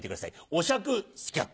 『お酌スキャット』。